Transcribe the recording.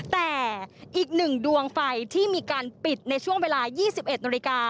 แต่อีกหนึ่งดวงไฟที่มีการปิดในช่วงเวลา๒๑นาฬิกา